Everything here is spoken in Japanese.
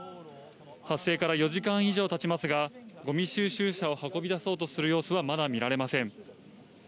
発生から４時間以上たちますが、ゴミ収集車を運び出そうとする様子はまだ見られません。